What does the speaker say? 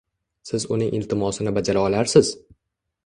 siz uning iltimosini bajara olarsiz.